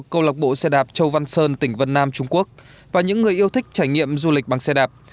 của xe đạp châu văn sơn tỉnh vân nam trung quốc và những người yêu thích trải nghiệm du lịch bằng xe đạp